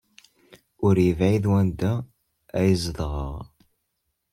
Ur yebɛid wanda ay zedɣeɣ.